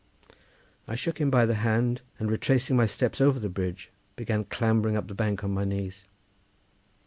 I shook him by the hand, and retracing my steps over the bridge began clambering up the bank on my knees.